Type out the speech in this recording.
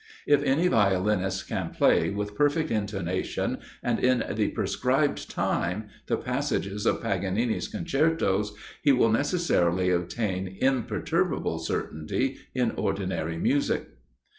If any violinist can play, with perfect intonation, and in the prescribed time, the passages of Paganini's concertos, he will necessarily attain imperturbable certainty in ordinary music.